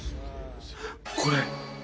これ！